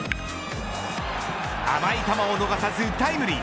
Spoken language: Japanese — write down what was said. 甘い球を逃さずタイムリー。